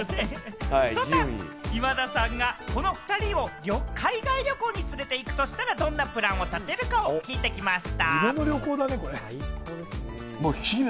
今田さんがこの２人を海外旅行に連れて行くとしたら、どんなプランを立てるか聞いてきました。